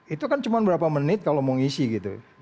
itu kan cuma berapa menit kalau mau ngisi gitu